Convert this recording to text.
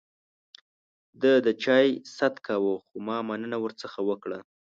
ده د چای ست کاوه ، خو ما مننه ورڅخه وکړه.